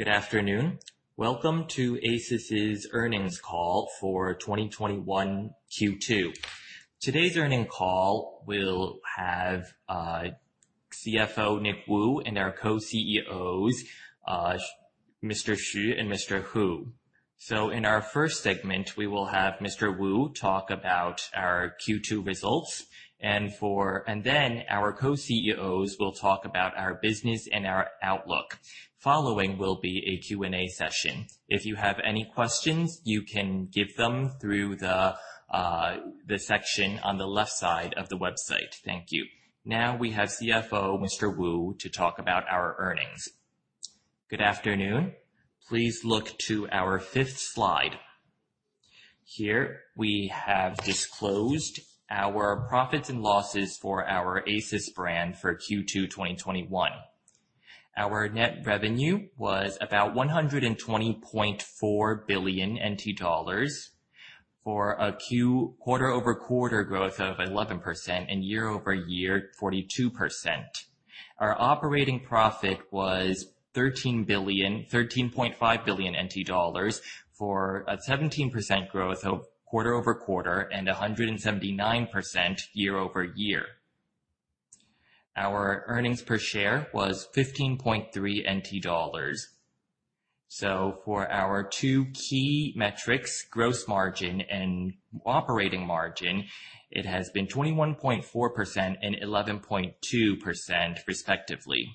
Good afternoon. Welcome to ASUS's earnings call for 2021 Q2. Today's earning call will have CFO Nick Wu and our Co-CEOs, Mr. Hsu and Mr. Hu. In our first segment, we will have Mr. Wu talk about our Q2 results, and then our Co-CEOs will talk about our business and our outlook. Following will be a Q&A session. If you have any questions, you can give them through the section on the left side of the website. Thank you. We have CFO Mr. Wu to talk about our earnings. Good afternoon. Please look to our fifth slide. Here, we have disclosed our profits and losses for our ASUS brand for Q2 2021. Our net revenue was about 120.4 billion NT dollars for a quarter-over-quarter growth of 11% and year-over-year 42%. Our operating profit was 13.5 billion NT dollars for a 17% growth quarter-over-quarter and 179% year-over-year. Our earnings per share was 15.3 NT dollars. For our two key metrics, gross margin and operating margin, it has been 21.4% and 11.2%, respectively.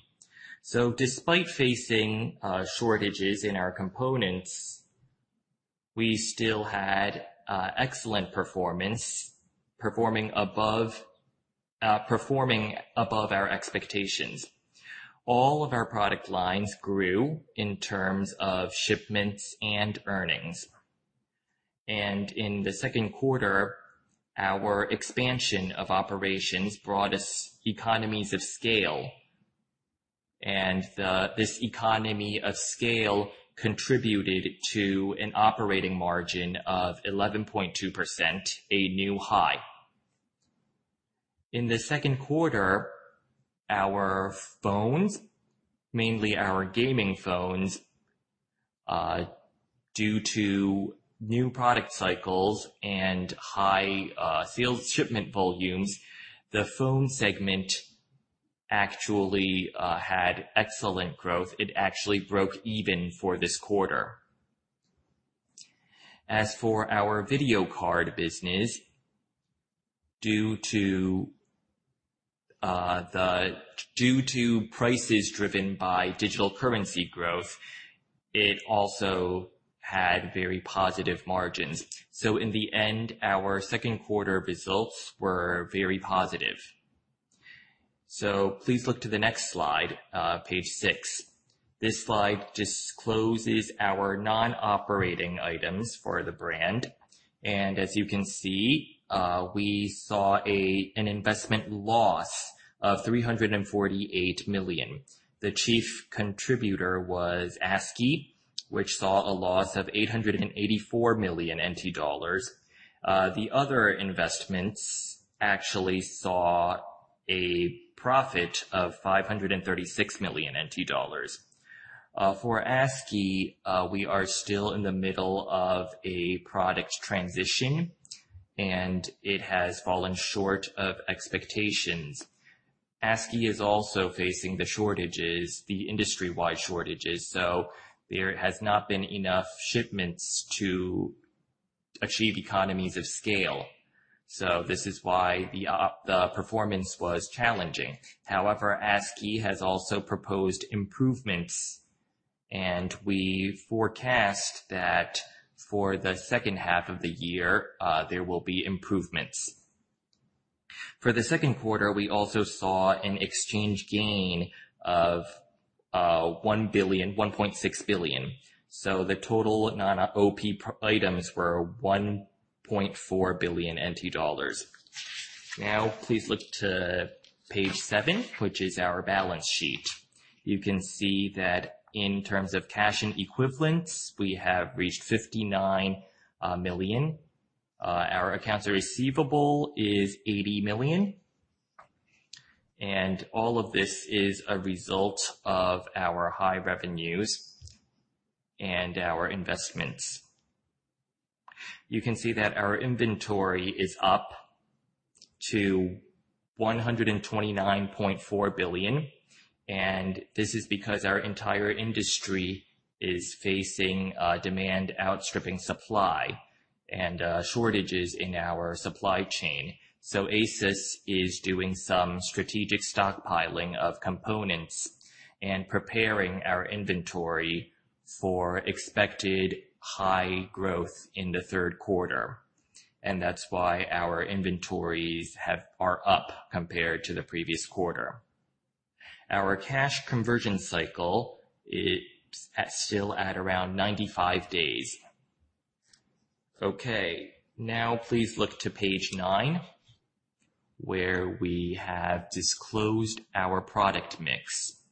Despite facing shortages in our components, we still had excellent performance, performing above our expectations. All of our product lines grew in terms of shipments and earnings. In the second quarter, our expansion of operations brought us economies of scale. This economy of scale contributed to an operating margin of 11.2%, a new high. In the second quarter, our phones, mainly our gaming phones, due to new product cycles and high sales shipment volumes, the phone segment actually had excellent growth. It actually broke even for this quarter. As for our video card business, due to prices driven by digital currency growth, it also had very positive margins. In the end, our second quarter results were very positive. Please look to the next slide, page six. This slide discloses our non-operating items for the brand. As you can see, we saw an investment loss of 348 million. The chief contributor was Askey, which saw a loss of 884 million NT dollars. The other investments actually saw a profit of 536 million NT dollars. For Askey, we are still in the middle of a product transition, and it has fallen short of expectations. Askey is also facing the industry-wide shortages, so there has not been enough shipments to achieve economies of scale. This is why the performance was challenging. However, Askey has also proposed improvements, and we forecast that for the second half of the year, there will be improvements. For the second quarter, we also saw an exchange gain of 1.6 billion. The total non-OP items were 1.4 billion NT dollars. Now please look to page seven, which is our balance sheet. You can see that in terms of cash and equivalents, we have reached 59 million. Our accounts receivable is 80 million, and all of this is a result of our high revenues and our investments. You can see that our inventory is up to 129.4 billion, and this is because our entire industry is facing demand outstripping supply and shortages in our supply chain. ASUS is doing some strategic stockpiling of components and preparing our inventory for expected high growth in the third quarter, and that's why our inventories are up compared to the previous quarter. Our cash conversion cycle is still at around 95 days. Now please look to page nine, where we have disclosed our product mix.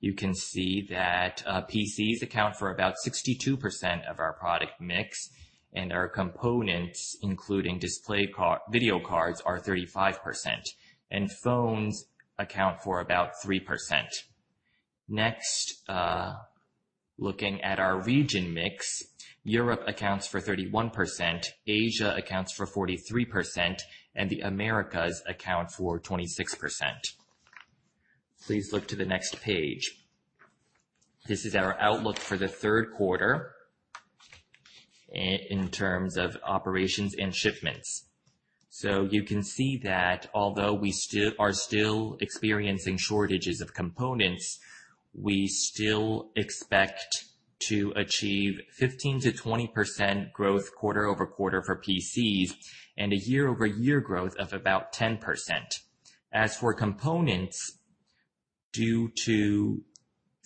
You can see that PCs account for about 62% of our product mix, and our components, including video cards, are 35%, and phones account for about 3%. Looking at our region mix, Europe accounts for 31%, Asia accounts for 43%, and the Americas account for 26%. Please look to the next page. This is our outlook for the third quarter in terms of operations and shipments. You can see that although we are still experiencing shortages of components, we still expect to achieve 15%-20% growth quarter-over-quarter for PCs and a year-over-year growth of about 10%. As for components, due to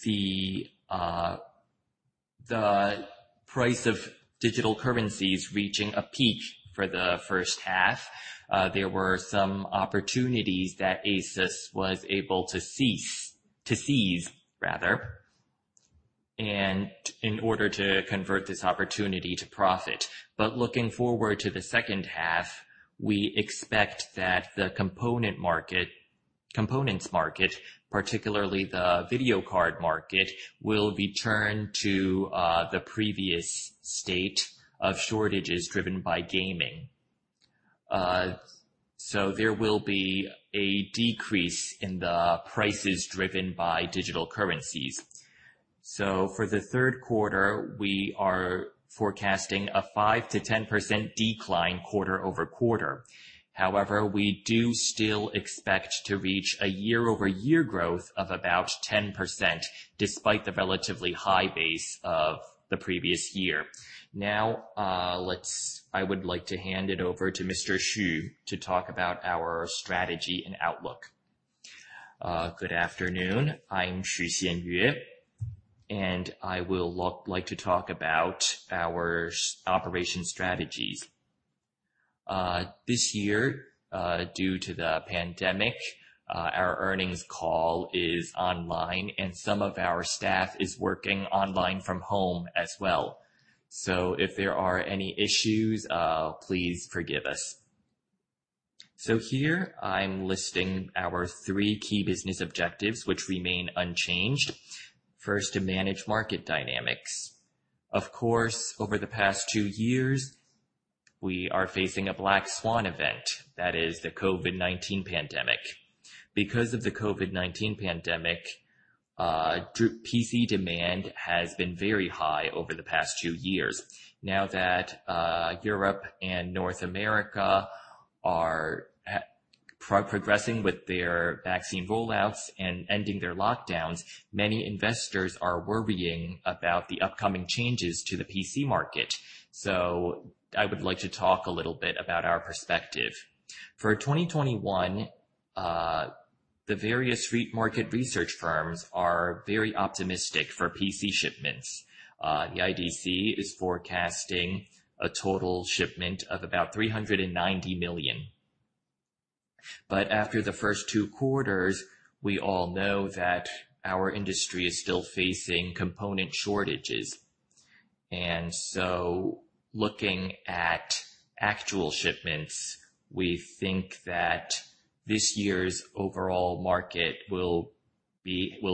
the price of digital currencies reaching a peak for the first half, there were some opportunities that ASUS was able to seize, and in order to convert this opportunity to profit. Looking forward to the second half, we expect that the components market, particularly the video card market, will return to the previous state of shortages driven by gaming. There will be a decrease in the prices driven by digital currencies. For the third quarter, we are forecasting a 5%-10% decline quarter-over-quarter. We do still expect to reach a year-over-year growth of about 10%, despite the relatively high base of the previous year. I would like to hand it over to Mr. Hsu to talk about our strategy and outlook. Good afternoon. I'm Hsien-Yuen Hsu, I will like to talk about our operation strategies. This year, due to the pandemic, our earnings call is online, some of our staff is working online from home as well. If there are any issues, please forgive us. Here I'm listing our three key business objectives, which remain unchanged. First, to manage market dynamics. Of course, over the past two years, we are facing a black swan event, that is the COVID-19 pandemic. Because of the COVID-19 pandemic, PC demand has been very high over the past two years. Europe and North America are progressing with their vaccine rollouts and ending their lockdowns, many investors are worrying about the upcoming changes to the PC market. I would like to talk a little bit about our perspective. For 2021, the various market research firms are very optimistic for PC shipments. The IDC is forecasting a total shipment of about 390 million. After the first two quarters, we all know that our industry is still facing component shortages. Looking at actual shipments, we think that this year's overall market will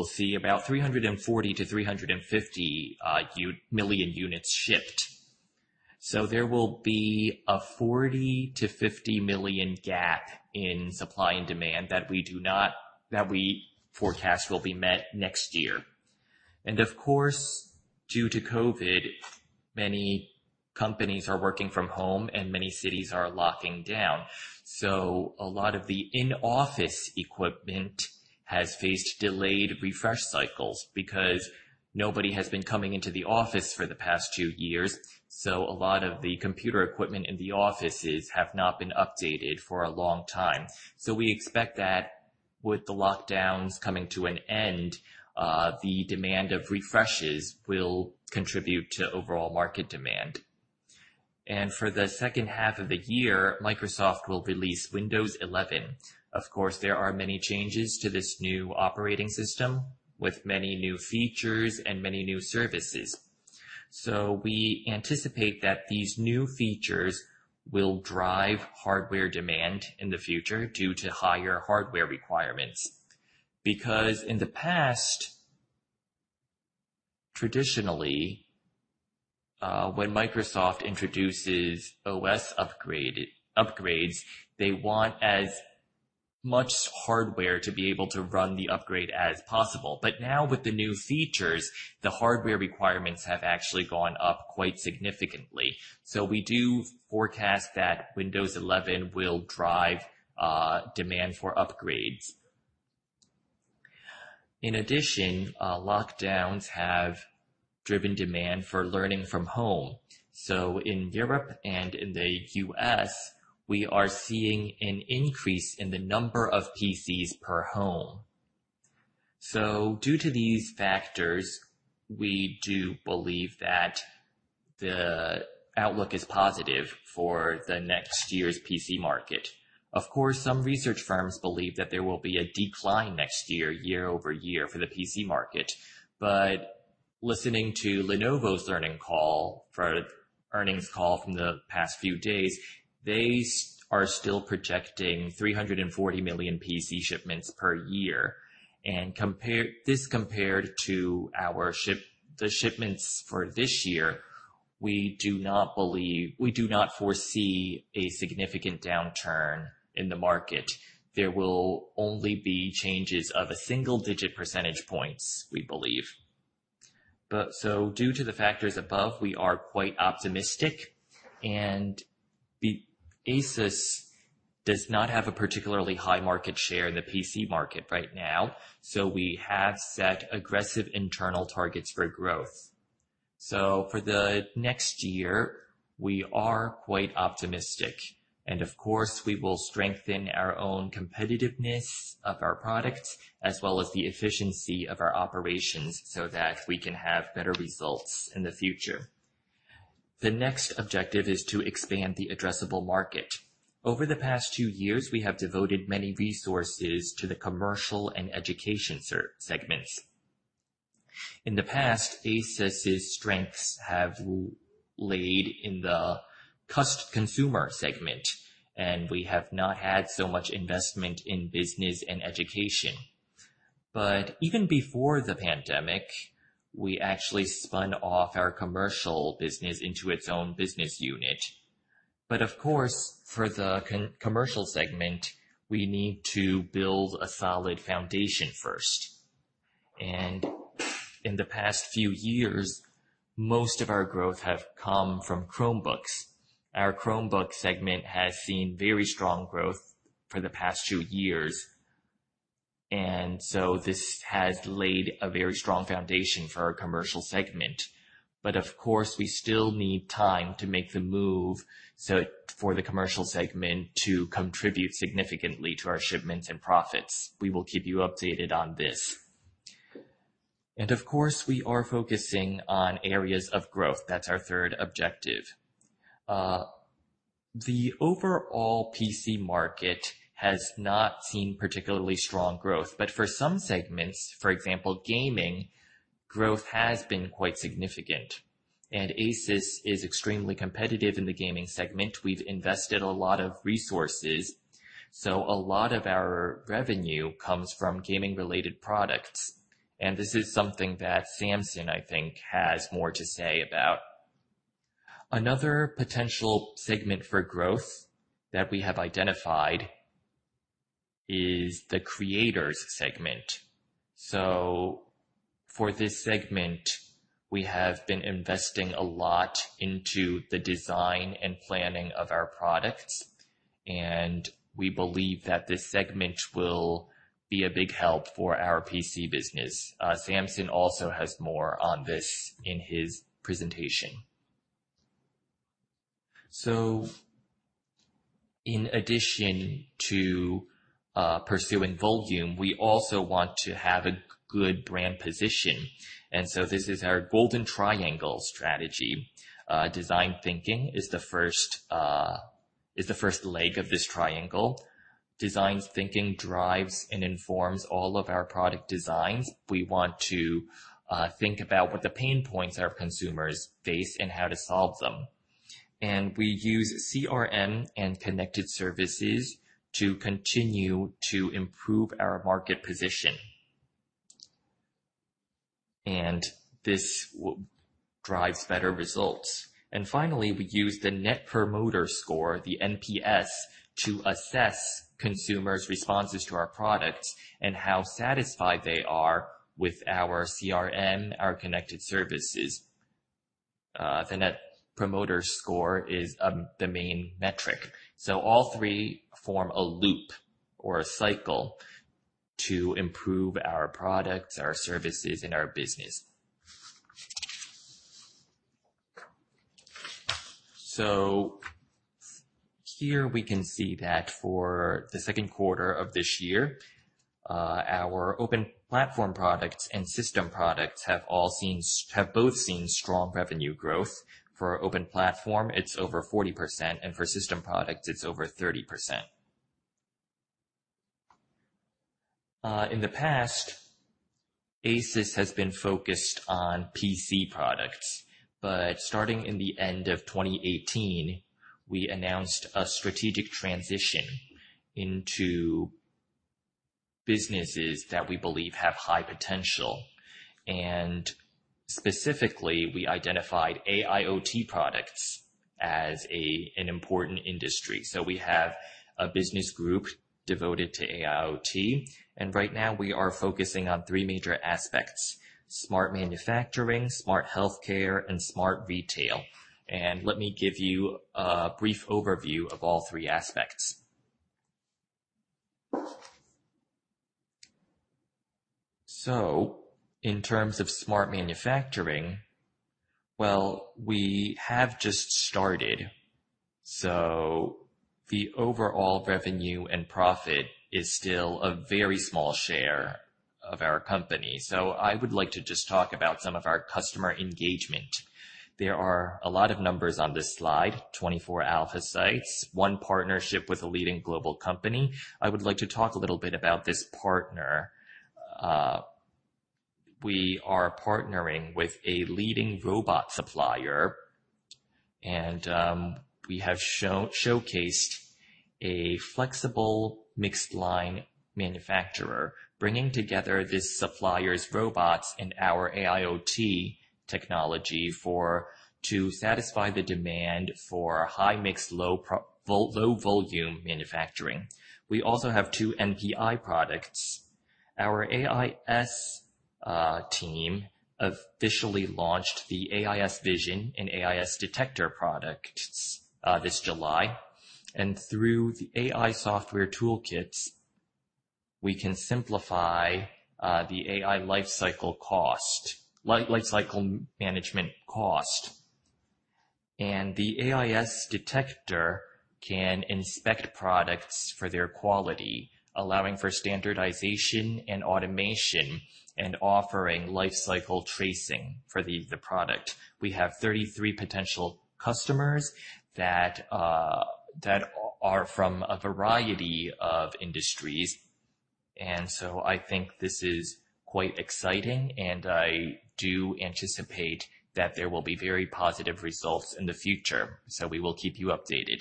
see about 340 million-350 million units shipped. There will be a 40 million-50 million gap in supply and demand that we forecast will be met next year. Of course, due to COVID, many companies are working from home and many cities are locking down. A lot of the in-office equipment has faced delayed refresh cycles because nobody has been coming into the office for the past two years. A lot of the computer equipment in the offices have not been updated for a long time. We expect that with the lockdowns coming to an end, the demand of refreshes will contribute to overall market demand. For the second half of the year, Microsoft will release Windows 11. Of course, there are many changes to this new operating system with many new features and many new services. We anticipate that these new features will drive hardware demand in the future due to higher hardware requirements. Because in the past, traditionally, when Microsoft introduces OS upgrades, they want as much hardware to be able to run the upgrade as possible. Now with the new features, the hardware requirements have actually gone up quite significantly. We do forecast that Windows 11 will drive demand for upgrades. In addition, lockdowns have driven demand for learning from home. In Europe and in the U.S., we are seeing an increase in the number of PCs per home. Due to these factors, we do believe that the outlook is positive for the next year's PC market. Of course, some research firms believe that there will be a decline next year-over-year for the PC market. Listening to Lenovo's earnings call from the past few days, they are still projecting 340 million PC shipments per year. This compared to the shipments for this year, we do not foresee a significant downturn in the market. There will only be changes of a single-digit percentage points, we believe. Due to the factors above, we are quite optimistic, and ASUS does not have a particularly high market share in the PC market right now. We have set aggressive internal targets for growth. For the next year, we are quite optimistic. Of course, we will strengthen our own competitiveness of our products as well as the efficiency of our operations so that we can have better results in the future. The next objective is to expand the addressable market. Over the past two years, we have devoted many resources to the commercial and education segments. In the past, ASUS's strengths have laid in the consumer segment, and we have not had so much investment in business and education. Even before the pandemic, we actually spun off our commercial business into its own business unit. Of course, for the commercial segment, we need to build a solid foundation first. In the past few years, most of our growth have come from Chromebooks. Our Chromebook segment has seen very strong growth for the past two years. This has laid a very strong foundation for our commercial segment. Of course, we still need time to make the move for the commercial segment to contribute significantly to our shipments and profits. We will keep you updated on this. Of course, we are focusing on areas of growth. That's our third objective. The overall PC market has not seen particularly strong growth. For some segments, for example, gaming, growth has been quite significant. ASUS is extremely competitive in the gaming segment. We've invested a lot of resources. A lot of our revenue comes from gaming-related products, and this is something that Samson, I think, has more to say about. Another potential segment for growth that we have identified is the creators segment. For this segment, we have been investing a lot into the design and planning of our products, and we believe that this segment will be a big help for our PC business. Samson also has more on this in his presentation. In addition to pursuing volume, we also want to have a good brand position. This is our golden triangle strategy. Design thinking is the first leg of this triangle. Design thinking drives and informs all of our product designs. We want to think about what the pain points our consumers face and how to solve them. We use CRM and connected services to continue to improve our market position. This drives better results. Finally, we use the Net Promoter Score, the NPS, to assess consumers' responses to our products and how satisfied they are with our CRM, our connected services. The Net Promoter Score is the main metric. All three form a loop or a cycle to improve our products, our services, and our business. Here we can see that for the second quarter of this year, our open platform products and system products have both seen strong revenue growth. For open platform, it's over 40%, and for system products, it's over 30%. In the past, ASUS has been focused on PC products. Starting in the end of 2018, we announced a strategic transition into businesses that we believe have high potential. Specifically, we identified AIoT products as an important industry. We have a business group devoted to AIoT, and right now we are focusing on three major aspects: smart manufacturing, smart healthcare, and smart retail. Let me give you a brief overview of all three aspects. In terms of smart manufacturing, well, we have just started, so the overall revenue and profit is still a very small share of our company. I would like to just talk about some of our customer engagement. There are a lot of numbers on this slide, 24 alpha sites, one partnership with a leading global company. I would like to talk a little bit about this partner. We are partnering with a leading robot supplier, and we have showcased a flexible mixed-line manufacturer, bringing together this supplier's robots and our AIoT technology to satisfy the demand for high mix, low volume manufacturing. We also have two NPI products. Our AIS team officially launched the AISVision and AISDetector products this July. Through the AI software toolkits, we can simplify the AI lifecycle management cost. The AISDetector can inspect products for their quality, allowing for standardization and automation, and offering life cycle tracing for the product. We have 33 potential customers that are from a variety of industries, and so I think this is quite exciting, and I do anticipate that there will be very positive results in the future. We will keep you updated.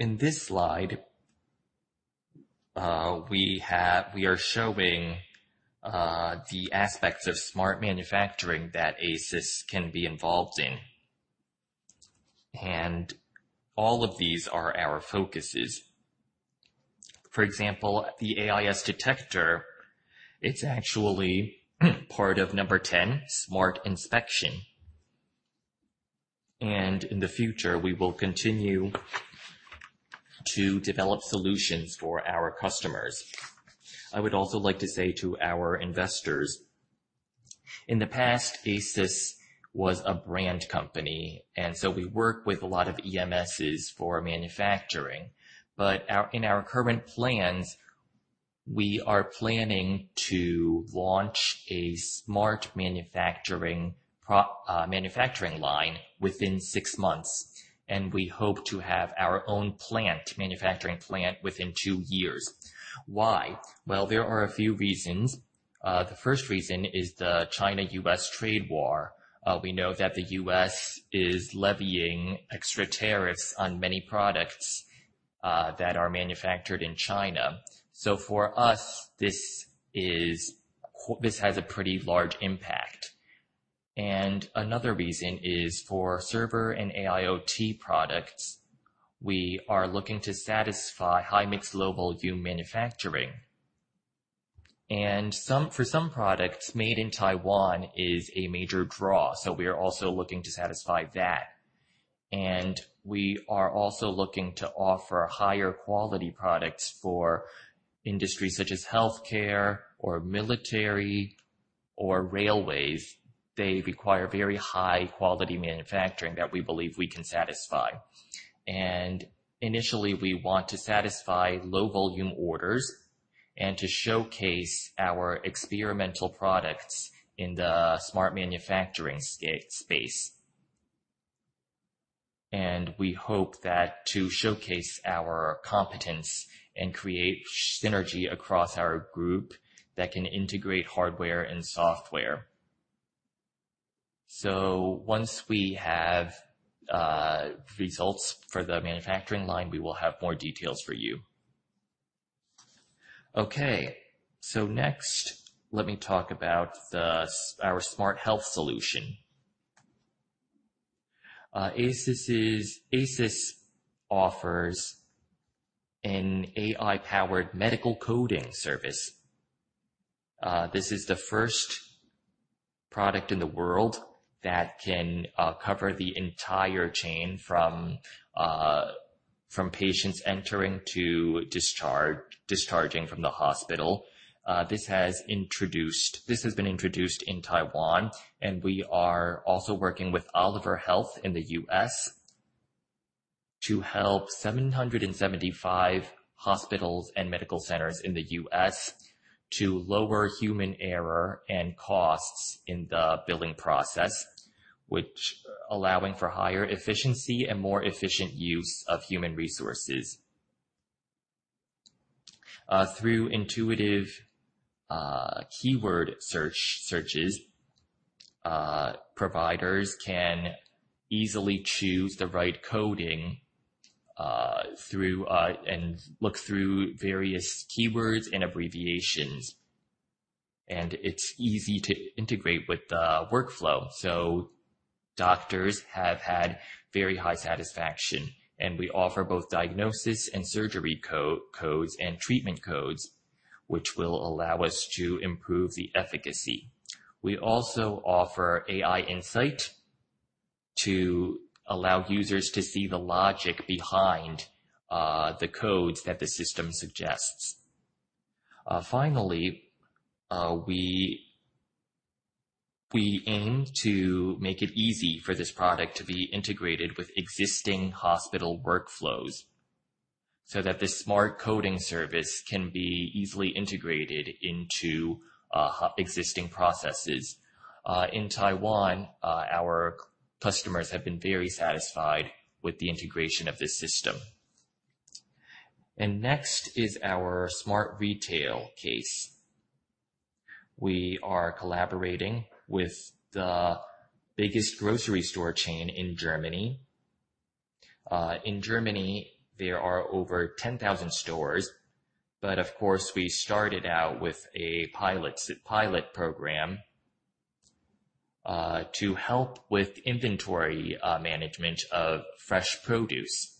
In this slide, we are showing the aspects of smart manufacturing that ASUS can be involved in, and all of these are our focuses. For example, the AISDetector, it's actually part of number 10, smart inspection, and in the future, we will continue to develop solutions for our customers. I would also like to say to our investors, in the past, ASUS was a brand company, and so we work with a lot of EMSs for manufacturing. In our current plans, we are planning to launch a smart manufacturing line within six months, and we hope to have our own manufacturing plant within two years. Why? Well, there are a few reasons. The first reason is the China-U.S. trade war. We know that the U.S. is levying extra tariffs on many products that are manufactured in China. For us, this has a pretty large impact. Another reason is for server and AIoT products, we are looking to satisfy high-mix, low-volume manufacturing. For some products, made in Taiwan is a major draw, so we are also looking to satisfy that. We are also looking to offer higher quality products for industries such as healthcare or military, or railways. They require very high-quality manufacturing that we believe we can satisfy. Initially, we want to satisfy low-volume orders and to showcase our experimental products in the smart manufacturing space. We hope that to showcase our competence and create synergy across our group that can integrate hardware and software. Once we have results for the manufacturing line, we will have more details for you. Okay. Next, let me talk about our smart health solution. ASUS offers an AI-powered medical coding service. This is the first product in the world that can cover the entire chain from patients entering to discharging from the hospital. This has been introduced in Taiwan, and we are also working with Olive AI in the U.S. to help 775 hospitals and medical centers in the U.S. to lower human error and costs in the billing process, allowing for higher efficiency and more efficient use of human resources. Through intuitive keyword searches, providers can easily choose the right coding and look through various keywords and abbreviations. It's easy to integrate with the workflow, so doctors have had very high satisfaction. We offer both diagnosis and surgery codes and treatment codes, which will allow us to improve the efficacy. We also offer AI insight to allow users to see the logic behind the codes that the system suggests. We aim to make it easy for this product to be integrated with existing hospital workflows so that the smart coding service can be easily integrated into existing processes. In Taiwan, our customers have been very satisfied with the integration of this system. Next is our smart retail. We are collaborating with the biggest grocery store chain in Germany. In Germany, there are over 10,000 stores, of course, we started out with a pilot program to help with inventory management of fresh produce.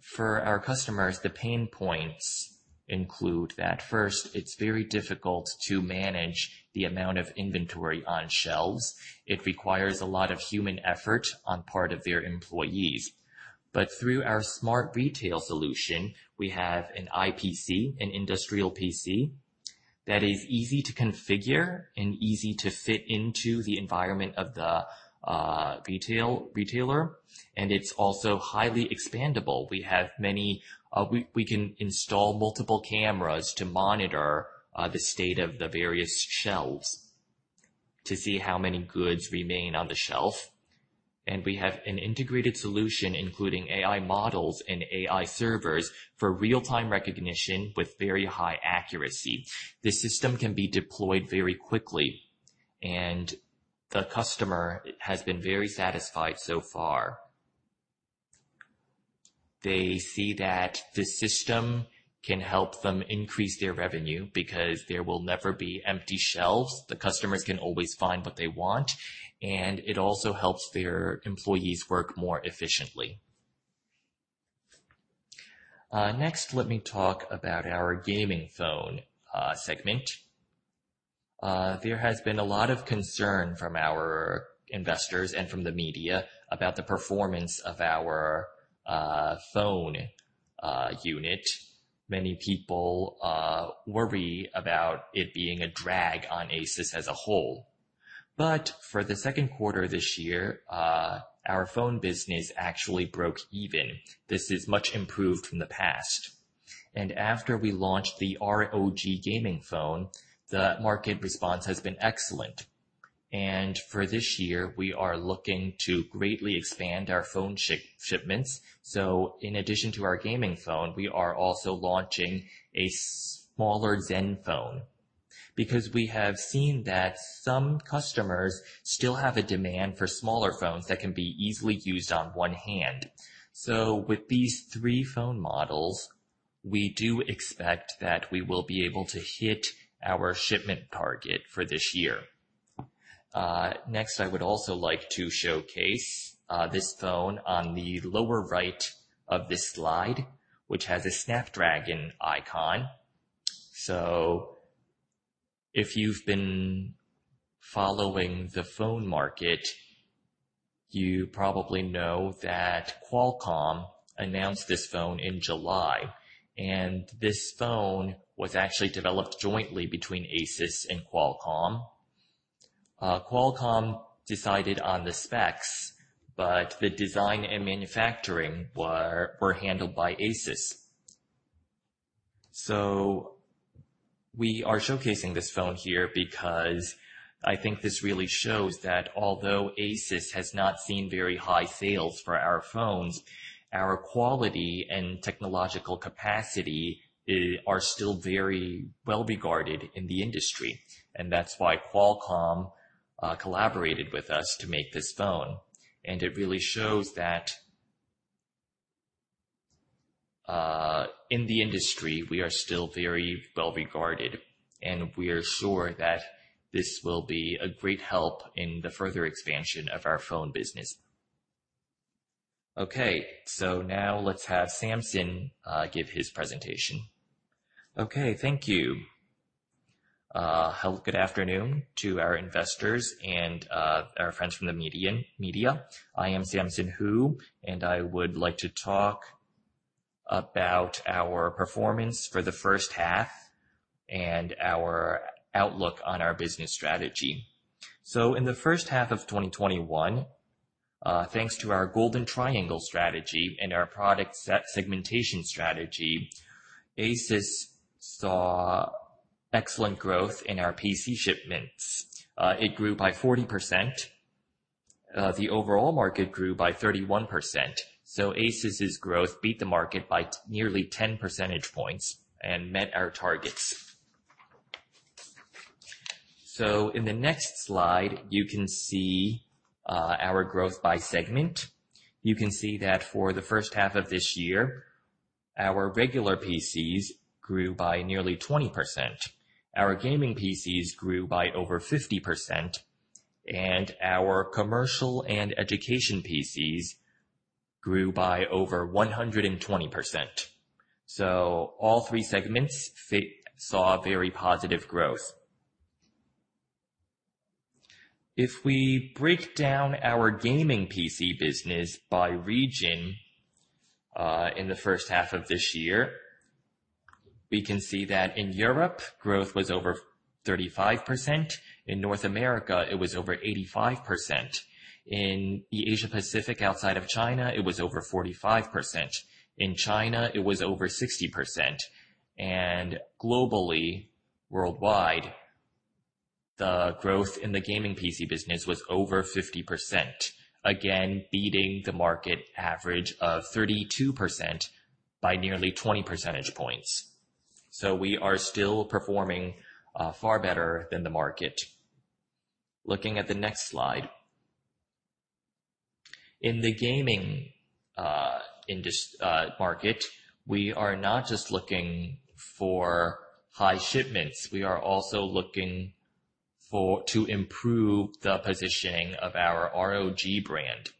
For our customers, the pain points include that first, it's very difficult to manage the amount of inventory on shelves. It requires a lot of human effort on part of their employees. Through our smart retail solution, we have an IPC, an industrial PC, that is easy to configure and easy to fit into the environment of the retailer, and it's also highly expandable. We can install multiple cameras to monitor the state of the various shelves to see how many goods remain on the shelf. We have an integrated solution, including AI models and AI servers for real-time recognition with very high accuracy. This system can be deployed very quickly, and the customer has been very satisfied so far. They see that the system can help them increase their revenue because there will never be empty shelves. The customers can always find what they want. It also helps their employees work more efficiently. Next, let me talk about our gaming phone segment. There has been a lot of concern from our investors and from the media about the performance of our phone unit. Many people worry about it being a drag on ASUS as a whole. For the second quarter of this year, our phone business actually broke even. This is much improved from the past. After we launched the ROG gaming phone, the market response has been excellent. For this year, we are looking to greatly expand our phone shipments. In addition to our gaming phone, we are also launching a smaller Zenfone. Because we have seen that some customers still have a demand for smaller phones that can be easily used on one hand. With these three phone models, we do expect that we will be able to hit our shipment target for this year. I would also like to showcase this phone on the lower right of this slide, which has a Snapdragon icon. If you've been following the phone market, you probably know that Qualcomm announced this phone in July, and this phone was actually developed jointly between ASUS and Qualcomm. Qualcomm decided on the specs, the design and manufacturing were handled by ASUS. We are showcasing this phone here because I think this really shows that although ASUS has not seen very high sales for our phones, our quality and technological capacity are still very well-regarded in the industry, and that's why Qualcomm collaborated with us to make this phone. It really shows that in the industry, we are still very well regarded, and we are sure that this will be a great help in the further expansion of our phone business. Let's have Samson give his presentation. Thank you. Good afternoon to our investors and our friends from the media. I am Samson Hu, and I would like to talk about our performance for the first half and our outlook on our business strategy. In the first half of 2021, thanks to our golden triangle strategy and our product segmentation strategy, ASUS saw excellent growth in our PC shipments. It grew by 40%. The overall market grew by 31%, ASUS's growth beat the market by nearly 10 percentage points and met our targets. In the next slide, you can see our growth by segment. You can see that for the first half of this year, our regular PCs grew by nearly 20%. Our gaming PCs grew by over 50%, and our commercial and education PCs grew by over 120%. All three segments saw very positive growth. If we break down our gaming PC business by region, in the first half of this year, we can see that in Europe, growth was over 35%. In North America, it was over 85%. In the Asia-Pacific, outside of China, it was over 45%. In China, it was over 60%. Globally, worldwide, the growth in the gaming PC business was over 50%, again, beating the market average of 32% by nearly 20 percentage points. We are still performing far better than the market. Looking at the next slide. In the gaming market, we are not just looking for high shipments, we are also looking to improve the positioning of our ROG brand.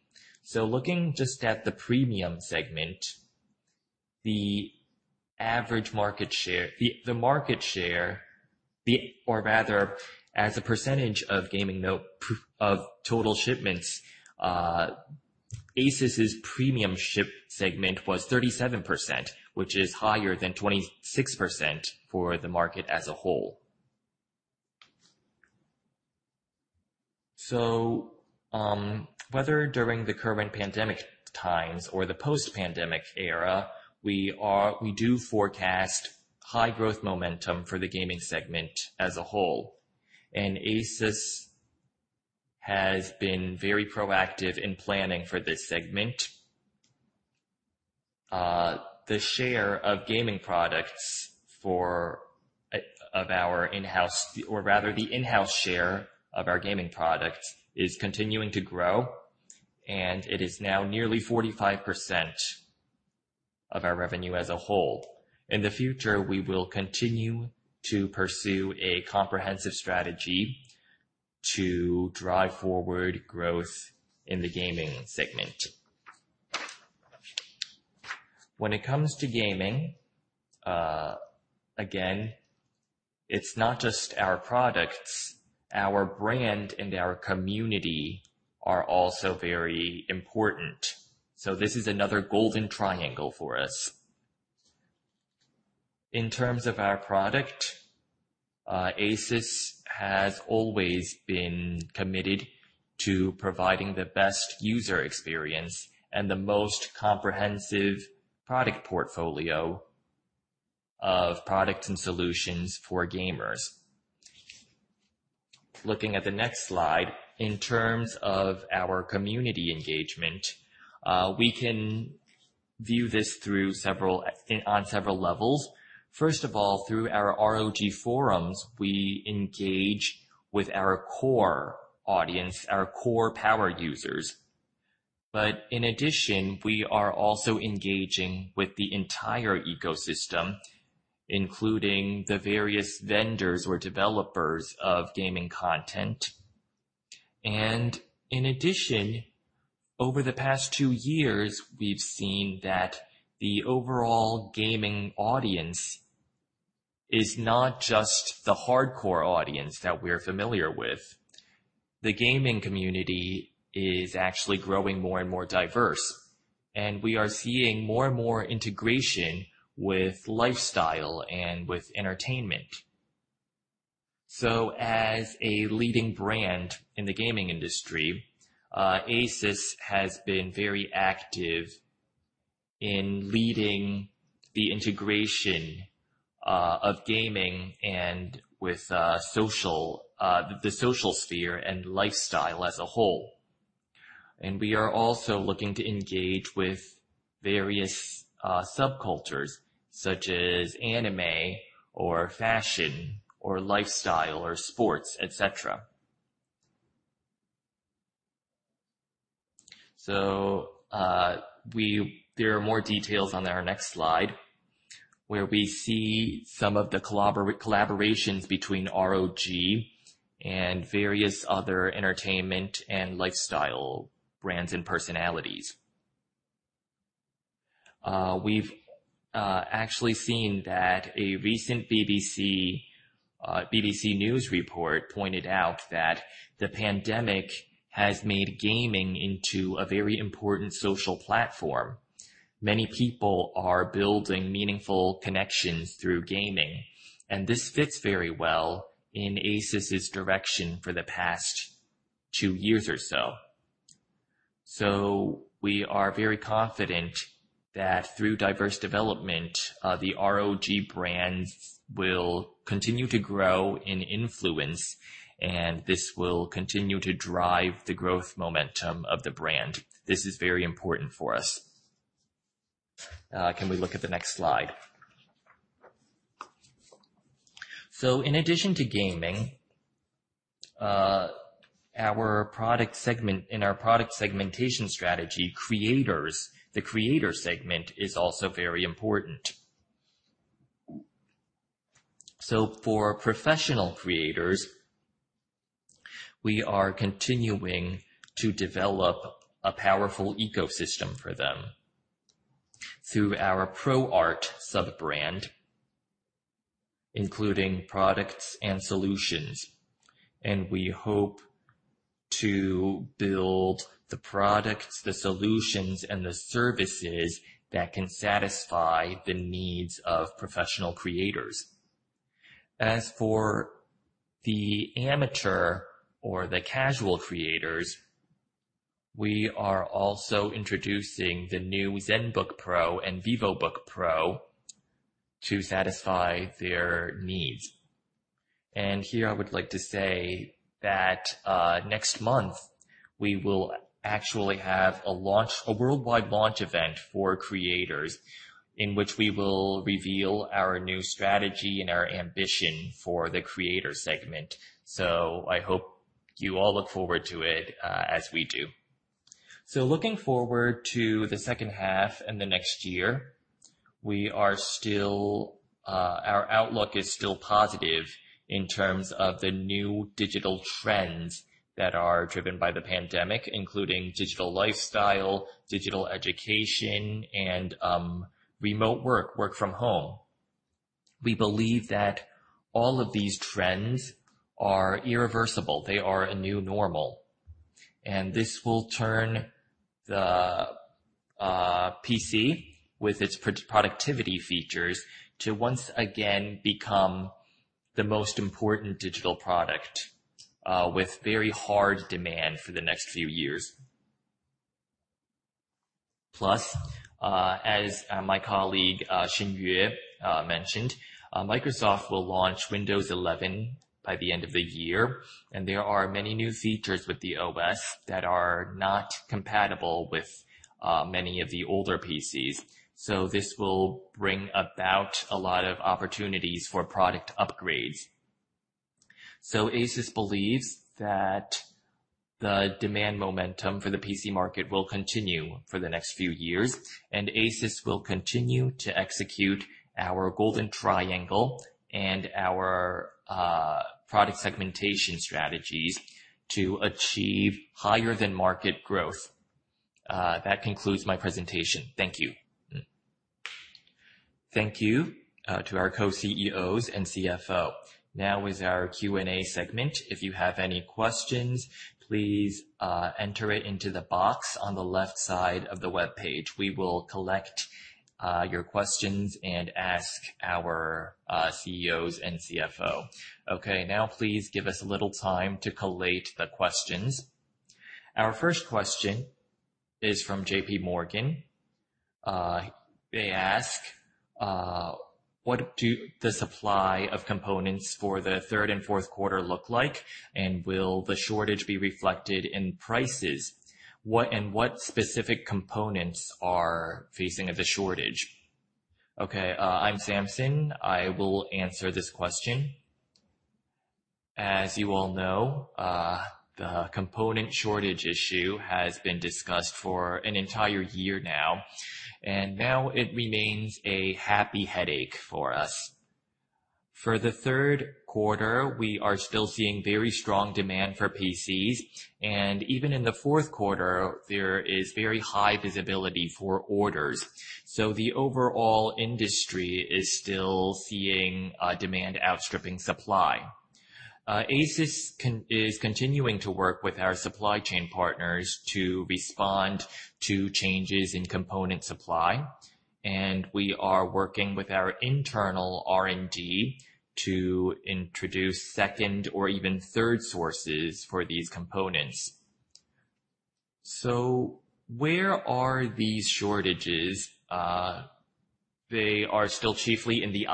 Looking just at the premium segment, as a percentage of total shipments, ASUS's premium ship segment was 37%, which is higher than 26% for the market as a whole. Whether during the current pandemic times or the post-pandemic era, we do forecast high growth momentum for the gaming segment as a whole, and ASUS has been very proactive in planning for this segment. The in-house share of our gaming products is continuing to grow, and it is now nearly 45% of our revenue as a whole. In the future, we will continue to pursue a comprehensive strategy to drive forward growth in the gaming segment. When it comes to gaming, again, it's not just our products, our brand and our community are also very important. This is another Golden Triangle for us. In terms of our product, ASUS has always been committed to providing the best user experience and the most comprehensive product portfolio of products and solutions for gamers. Looking at the next slide. In terms of our community engagement, we can view this on several levels. First of all, through our ROG forums, we engage with our core audience, our core power users. In addition, we are also engaging with the entire ecosystem, including the various vendors or developers of gaming content. In addition, over the past two years, we've seen that the overall gaming audience is not just the hardcore audience that we're familiar with. The gaming community is actually growing more and more diverse. We are seeing more and more integration with lifestyle and with entertainment. As a leading brand in the gaming industry, ASUS has been very active in leading the integration of gaming and with the social sphere and lifestyle as a whole. We are also looking to engage with various subcultures such as anime or fashion or lifestyle or sports, et cetera. There are more details on our next slide, where we see some of the collaborations between ROG and various other entertainment and lifestyle brands and personalities. We've actually seen that a recent BBC News report pointed out that the pandemic has made gaming into a very important social platform. Many people are building meaningful connections through gaming, and this fits very well in ASUS's direction for the past two years or so. We are very confident that through diverse development, the ROG brand will continue to grow in influence, and this will continue to drive the growth momentum of the brand. This is very important for us. Can we look at the next slide? In addition to gaming, in our product segmentation strategy, the creator segment is also very important. For professional creators, we are continuing to develop a powerful ecosystem for them through our ProArt sub-brand, including products and solutions. We hope to build the products, the solutions, and the services that can satisfy the needs of professional creators. As for the amateur or the casual creators, we are also introducing the new Zenbook Pro and Vivobook Pro to satisfy their needs. Here I would like to say that next month, we will actually have a worldwide launch event for creators, in which we will reveal our new strategy and our ambition for the creator segment. I hope you all look forward to it as we do. Looking forward to the second half and the next year, our outlook is still positive in terms of the new digital trends that are driven by the pandemic, including digital lifestyle, digital education, and remote work from home. We believe that all of these trends are irreversible. They are a new normal, and this will turn the PC, with its productivity features, to once again become the most important digital product with very hard demand for the next few years. Plus, as my colleague Hsien-Yuen mentioned, Microsoft will launch Windows 11 by the end of the year, and there are many new features with the OS that are not compatible with many of the older PCs. This will bring about a lot of opportunities for product upgrades. ASUS believes that the demand momentum for the PC market will continue for the next few years, and ASUS will continue to execute our golden triangle and our product segmentation strategies to achieve higher than market growth. That concludes my presentation. Thank you. Thank you to our Co-CEOs and CFO. Now is our Q&A segment. If you have any questions, please enter it into the box on the left side of the webpage. We will collect your questions and ask our CEOs and CFO. Okay, now please give us a little time to collate the questions. Our first question is from JPMorgan. They ask, what do the supply of components for the third and fourth quarter look like? Will the shortage be reflected in prices? What specific components are facing the shortage? Okay, I'm Samson. I will answer this question. As you all know, the component shortage issue has been discussed for an entire year now, and now it remains a happy headache for us. For the third quarter, we are still seeing very strong demand for PCs, and even in the fourth quarter, there is very high visibility for orders. The overall industry is still seeing demand outstripping supply. ASUS is continuing to work with our supply chain partners to respond to changes in component supply, and we are working with our internal R&D to introduce second or even third sources for these components. Where are these shortages? They are still chiefly in the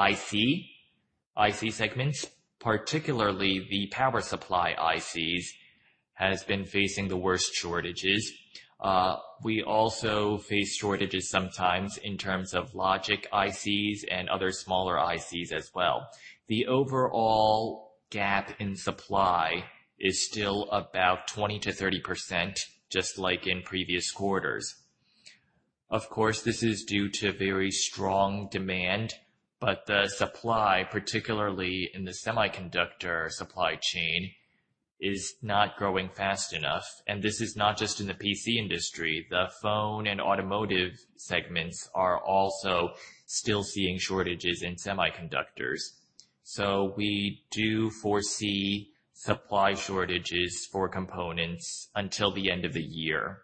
IC segments, particularly the power supply ICs, has been facing the worst shortages. We also face shortages sometimes in terms of logic ICs and other smaller ICs as well. The overall gap in supply is still about 20%-30%, just like in previous quarters. Of course, this is due to very strong demand, but the supply, particularly in the semiconductor supply chain, is not growing fast enough. This is not just in the PC industry. The phone and automotive segments are also still seeing shortages in semiconductors. We do foresee supply shortages for components until the end of the year.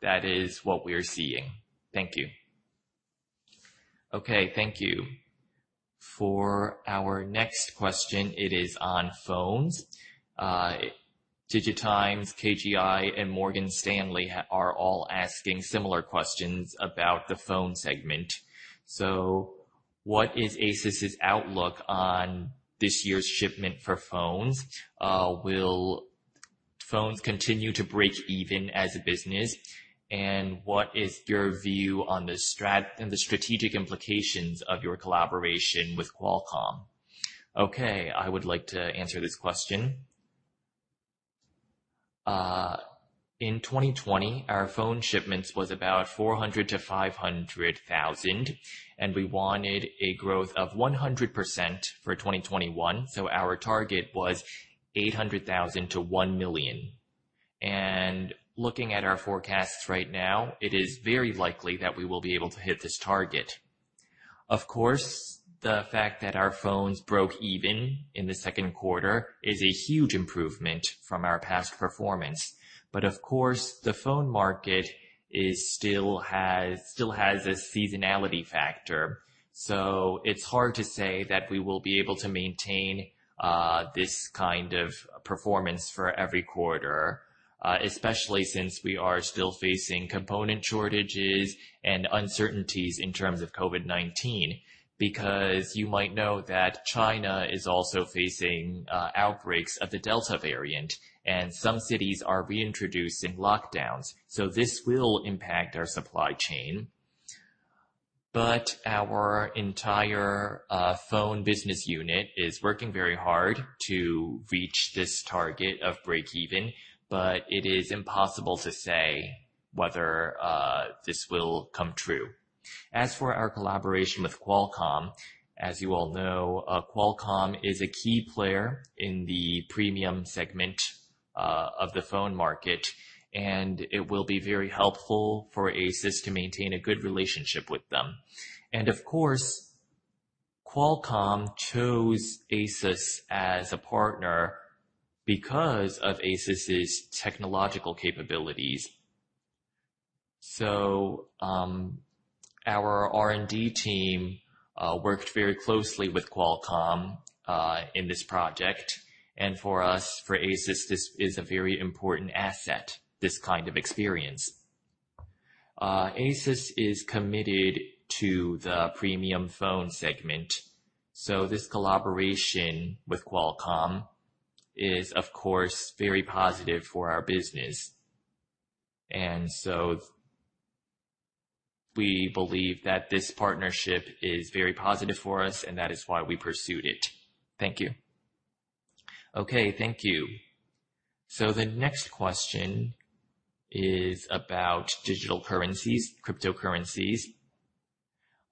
That is what we're seeing. Thank you. Okay, thank you. For our next question, it is on phones. DIGITIMES, KGI, and Morgan Stanley are all asking similar questions about the phone segment. What is ASUS' outlook on this year's shipment for phones? Will phones continue to break even as a business? What is your view on the strategic implications of your collaboration with Qualcomm? I would like to answer this question. In 2020, our phone shipments was about 400,000-500,000, and we wanted a growth of 100% for 2021. Our target was 800,000-1,000,000. Looking at our forecasts right now, it is very likely that we will be able to hit this target. Of course, the fact that our phones broke even in the second quarter is a huge improvement from our past performance. Of course, the phone market still has a seasonality factor. It's hard to say that we will be able to maintain this kind of performance for every quarter. Especially since we are still facing component shortages and uncertainties in terms of COVID-19. You might know that China is also facing outbreaks of the Delta variant, and some cities are reintroducing lockdowns. This will impact our supply chain. Our entire phone business unit is working very hard to reach this target of breakeven, but it is impossible to say whether this will come true. As for our collaboration with Qualcomm, as you all know, Qualcomm is a key player in the premium segment of the phone market, and it will be very helpful for ASUS to maintain a good relationship with them. Of course, Qualcomm chose ASUS as a partner because of ASUS's technological capabilities. Our R&D team worked very closely with Qualcomm in this project. For us, for ASUS, this is a very important asset, this kind of experience. ASUS is committed to the premium phone segment, this collaboration with Qualcomm is of course very positive for our business. We believe that this partnership is very positive for us, and that is why we pursued it. Thank you. Okay. Thank you. The next question is about digital currencies, cryptocurrencies.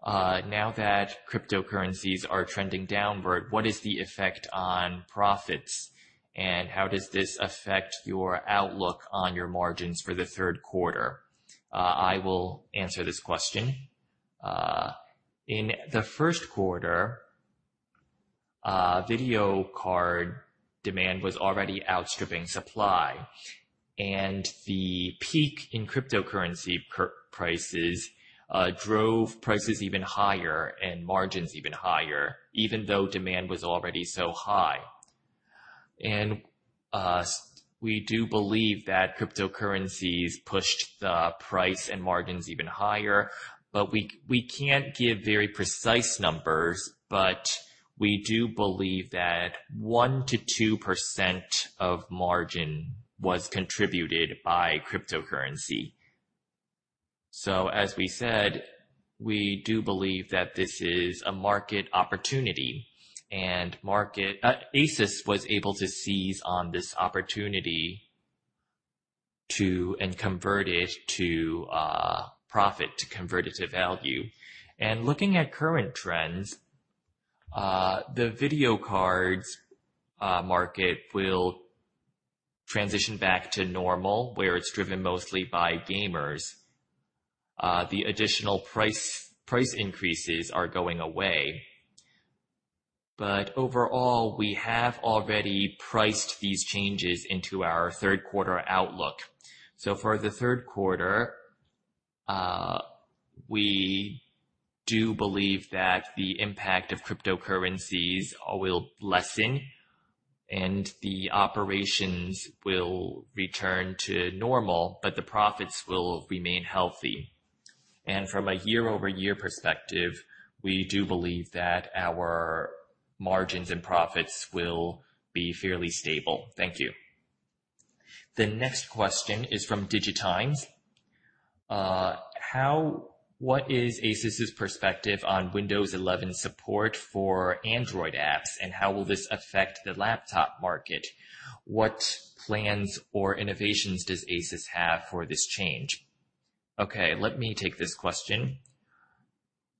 Now that cryptocurrencies are trending downward, what is the effect on profits, and how does this affect your outlook on your margins for the third quarter? I will answer this question. In the first quarter, video card demand was already outstripping supply. The peak in cryptocurrency prices drove prices even higher and margins even higher, even though demand was already so high. We do believe that cryptocurrencies pushed the price and margins even higher. We can't give very precise numbers, but we do believe that 1%-2% of margin was contributed by cryptocurrency. As we said, we do believe that this is a market opportunity, and ASUS was able to seize on this opportunity and convert it to profit, to convert it to value. Looking at current trends, the video cards market will transition back to normal, where it's driven mostly by gamers. The additional price increases are going away. Overall, we have already priced these changes into our third quarter outlook. For the third quarter, we do believe that the impact of cryptocurrencies will lessen and the operations will return to normal, but the profits will remain healthy. From a year-over-year perspective, we do believe that our margins and profits will be fairly stable. Thank you. The next question is from DIGITIMES. What is ASUS's perspective on Windows 11 support for Android apps, and how will this affect the laptop market? What plans or innovations does ASUS have for this change? Okay. Let me take this question.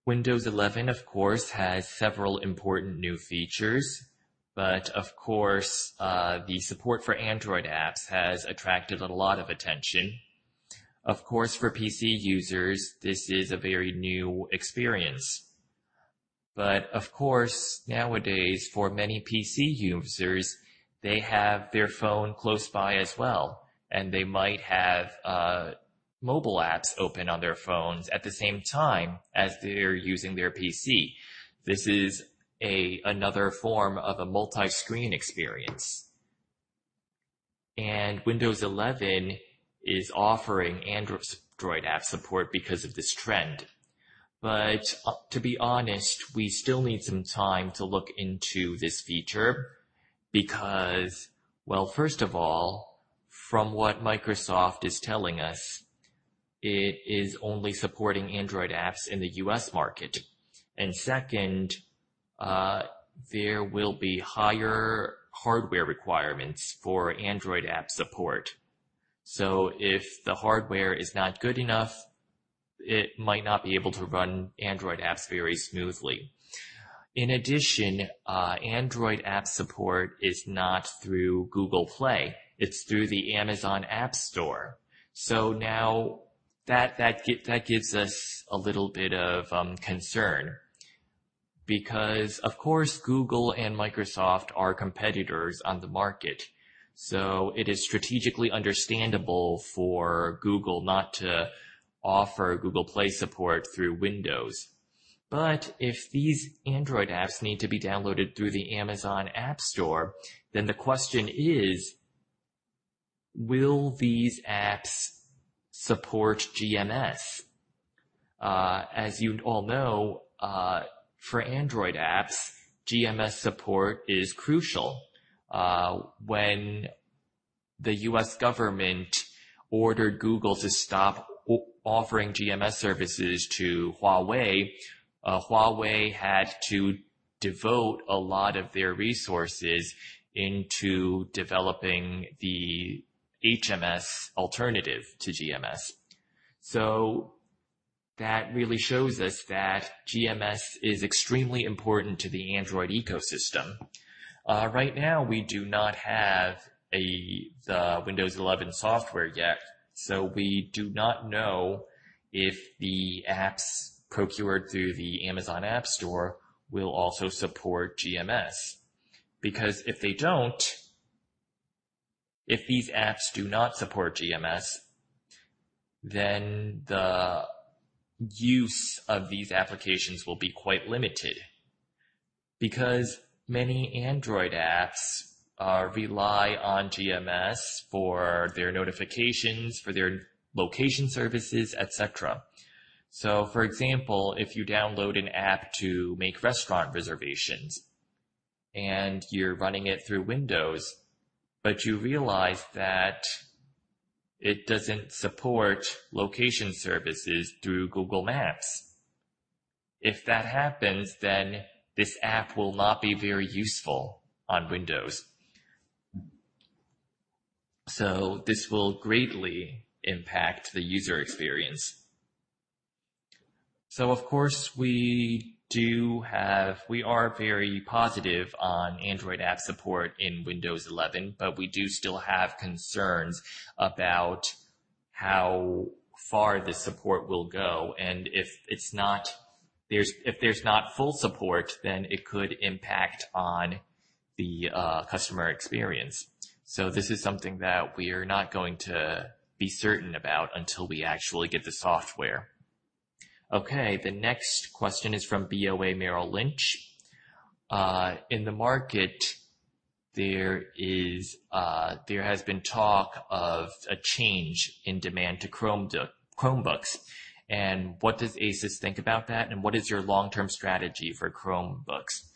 Windows 11, of course, has several important new features, but of course, the support for Android apps has attracted a lot of attention. Of course, for PC users, this is a very new experience. Of course, nowadays, for many PC users, they have their phone close by as well, and they might have mobile apps open on their phones at the same time as they're using their PC. This is another form of a multi-screen experience. Windows 11 is offering Android app support because of this trend. To be honest, we still need some time to look into this feature because, well, first of all, from what Microsoft is telling us, it is only supporting Android apps in the U.S. market. Second, there will be higher hardware requirements for Android app support. If the hardware is not good enough, it might not be able to run Android apps very smoothly. In addition, Android app support is not through Google Play. It's through the Amazon Appstore. Now that gives us a little bit of concern because, of course, Google and Microsoft are competitors on the market, so it is strategically understandable for Google not to offer Google Play support through Windows. If these Android apps need to be downloaded through the Amazon Appstore, then the question is: will these apps support GMS? As you all know, for Android apps, GMS support is crucial. When the U.S. government ordered Google to stop offering GMS services to Huawei had to devote a lot of their resources into developing the HMS alternative to GMS. That really shows us that GMS is extremely important to the Android ecosystem. Right now, we do not have the Windows 11 software yet, we do not know if the apps procured through the Amazon Appstore will also support GMS. If they don't, if these apps do not support GMS, then the use of these applications will be quite limited because many Android apps rely on GMS for their notifications, for their location services, et cetera. For example, if you download an app to make restaurant reservations and you're running it through Windows, but you realize that it doesn't support location services through Google Maps. If that happens, this app will not be very useful on Windows. This will greatly impact the user experience. Of course, we are very positive on Android app support in Windows 11, but we do still have concerns about how far the support will go, and if there's not full support, then it could impact on the customer experience. This is something that we are not going to be certain about until we actually get the software. Okay. The next question is from BofA Merrill Lynch. In the market, there has been talk of a change in demand to Chromebooks. What does ASUS think about that, and what is your long-term strategy for Chromebooks?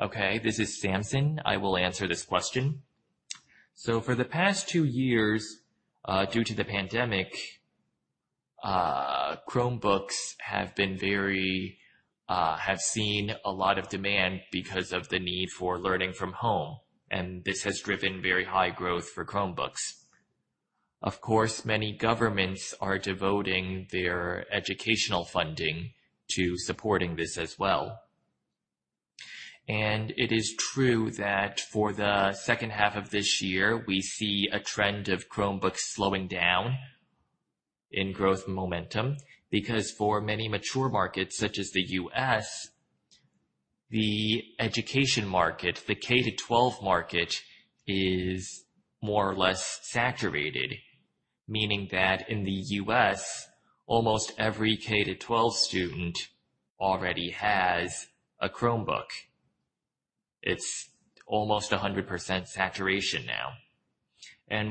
Okay. This is Samson. I will answer this question. For the past two years, due to the pandemic, Chromebooks have seen a lot of demand because of the need for learning from home, and this has driven very high growth for Chromebooks. Of course, many governments are devoting their educational funding to supporting this as well. It is true that for the second half of this year, we see a trend of Chromebooks slowing down in growth momentum because for many mature markets such as the U.S., the education market, the K-12 market, is more or less saturated, meaning that in the U.S., almost every K-2 student already has a Chromebook. It's almost 100% saturation now.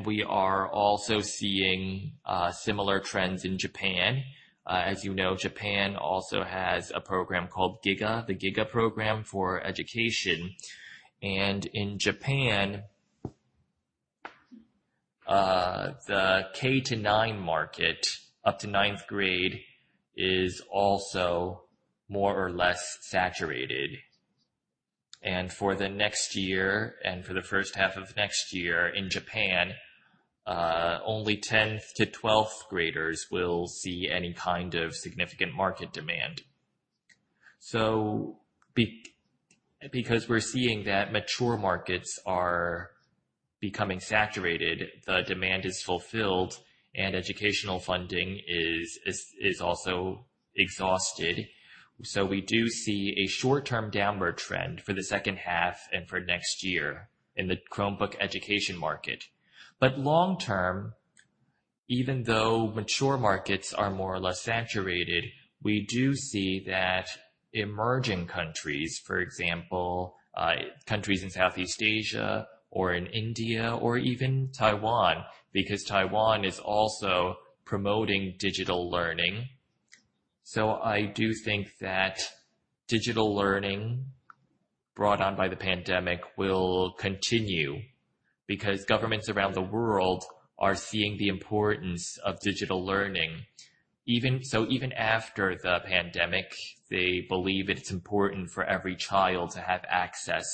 We are also seeing similar trends in Japan. As you know, Japan also has a program called GIGA, the GIGA Program for education. In Japan, the K-9 market, up to ninth grade, is also more or less saturated. For the next year and for the first half of next year in Japan, only 10th to 12th graders will see any kind of significant market demand. Because we're seeing that mature markets are becoming saturated, the demand is fulfilled, and educational funding is also exhausted. We do see a short-term downward trend for the second half and for next year in the Chromebook education market. Long term, even though mature markets are more or less saturated, we do see that emerging countries, for example, countries in Southeast Asia or in India or even Taiwan, because Taiwan is also promoting digital learning. I do think that digital learning brought on by the pandemic will continue because governments around the world are seeing the importance of digital learning. Even after the pandemic, they believe it's important for every child to have access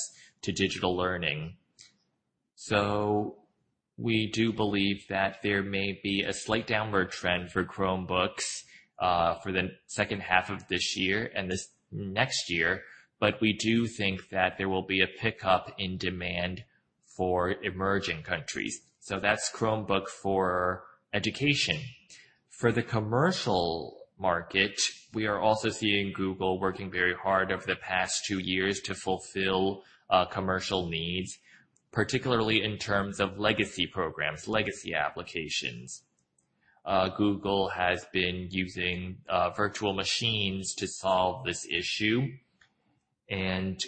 to digital learning. We do believe that there may be a slight downward trend for Chromebooks for the second half of this year and next year, but we do think that there will be a pickup in demand for emerging countries. That's Chromebook for education. For the commercial market, we are also seeing Google working very hard over the past two years to fulfill commercial needs, particularly in terms of legacy programs, legacy applications. Google has been using virtual machines to solve this issue, and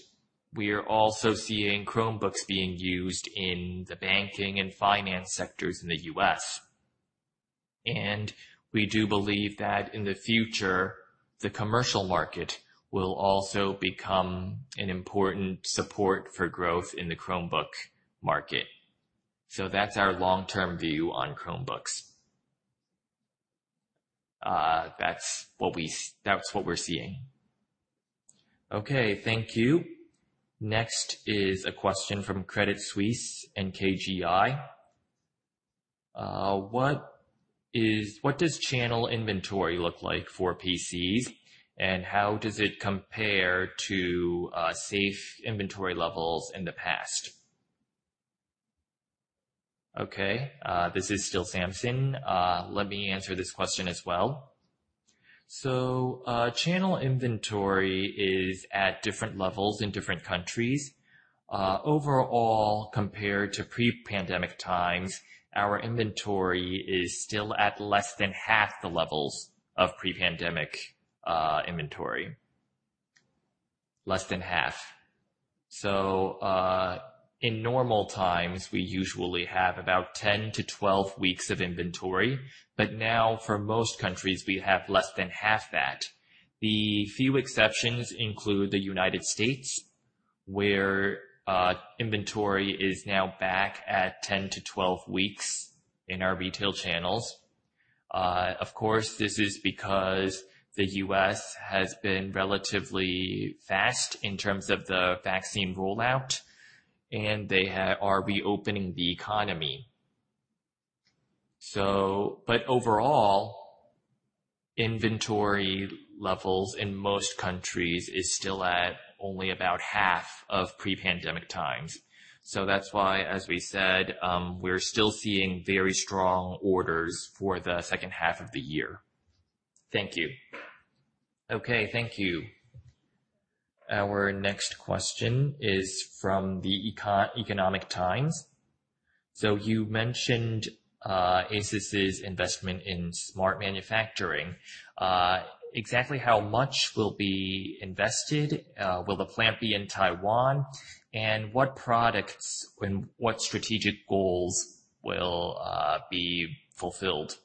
we are also seeing Chromebooks being used in the banking and finance sectors in the U.S. We do believe that in the future, the commercial market will also become an important support for growth in the Chromebook market. That's our long-term view on Chromebooks. That's what we're seeing. Okay, thank you. Next is a question from Credit Suisse, KGI. What does channel inventory look like for PCs, and how does it compare to safe inventory levels in the past? Okay, this is still Samson Hu. Let me answer this question as well. Channel inventory is at different levels in different countries. Overall, compared to pre-pandemic times, our inventory is still at less than half the levels of pre-pandemic inventory. Less than half. In normal times, we usually have about 10-12 weeks of inventory, but now for most countries, we have less than half that. The few exceptions include the United States, where inventory is now back at 10-12 weeks in our retail channels. Of course, this is because the U.S. has been relatively fast in terms of the vaccine rollout, and they are reopening the economy. Overall, inventory levels in most countries is still at only about half of pre-pandemic times. That's why, as we said, we're still seeing very strong orders for the second half of the year. Thank you. Thank you. Our next question is from the Economic Times. You mentioned ASUS' investment in smart manufacturing. Exactly how much will be invested? Will the plant be in Taiwan? What products and what strategic goals will be fulfilled?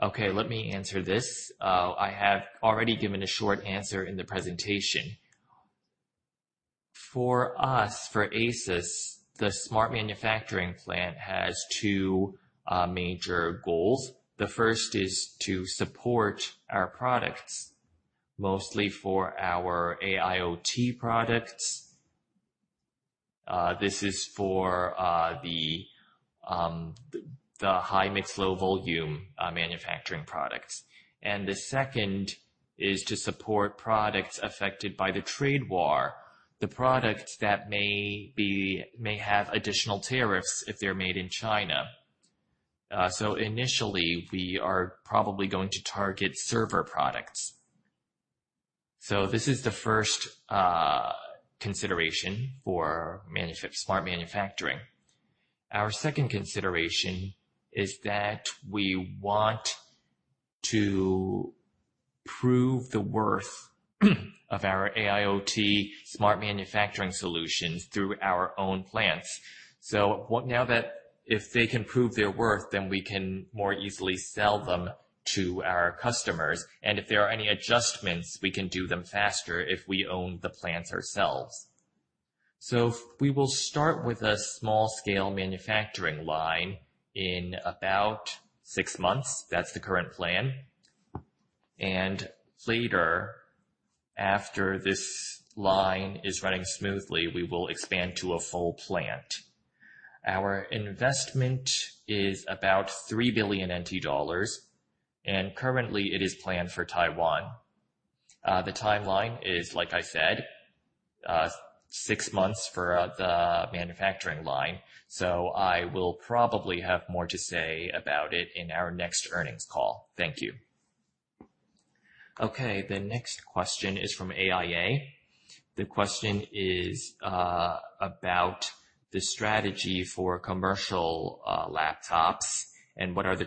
Let me answer this. I have already given a short answer in the presentation. For us, for ASUS, the smart manufacturing plant has two major goals. The first is to support our products, mostly for our AIoT products. This is for the high-mix, low-volume manufacturing products. The second is to support products affected by the trade war, the products that may have additional tariffs if they're made in China. Initially, we are probably going to target server products. This is the first consideration for smart manufacturing. Our second consideration is that we want to prove the worth of our AIoT smart manufacturing solutions through our own plants. Now that if they can prove their worth, then we can more easily sell them to our customers, and if there are any adjustments, we can do them faster if we own the plants ourselves. We will start with a small-scale manufacturing line in about six months. That's the current plan. Later, after this line is running smoothly, we will expand to a full plant. Our investment is about 3 billion NT dollars, and currently it is planned for Taiwan. The timeline is, like I said, six months for the manufacturing line. I will probably have more to say about it in our next earnings call. Thank you. Okay. The next question is from AIA. The question is about the strategy for commercial laptops and what are the